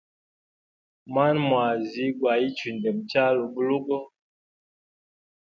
Mwana mwazi gwa ichwi nde muchala ubulugo.